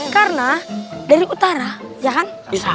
karena dari utara ya kan